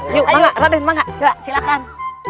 ayo raden silahkan